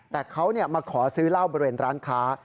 แต่เขามาขอซื้อเหล้าบริเวณร้านค้า